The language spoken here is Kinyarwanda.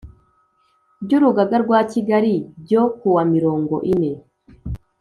by Urugaga rwa Kigali byo kuwa mirongo ine